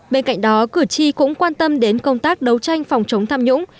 bên cạnh đó cử tri cũng quan tâm đến công tác đấu tranh phòng chống tham nhũng